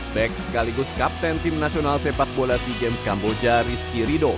back sekaligus kapten tim nasional sepak bola sea games kamboja rizky rido